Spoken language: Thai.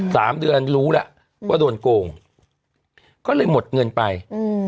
สามเดือนรู้แล้วว่าโดนโกงก็เลยหมดเงินไปอืม